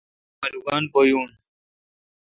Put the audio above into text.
مہ الوگان بھویون